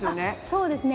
そうですね。